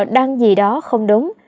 đăng gì đó không đúng